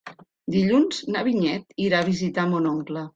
Dilluns na Vinyet irà a visitar mon oncle.